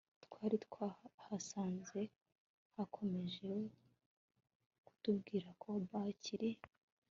twaari twahasanze yakomeje kutubwira ko bakiri